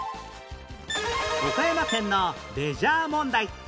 岡山県のレジャー問題